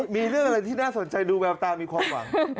มีเรื่องอะไรที่น่าสนใจดูแววตามีความหวัง